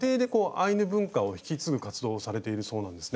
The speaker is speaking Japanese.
アイヌ文化を引き継ぐ活動をされているそうなんですね。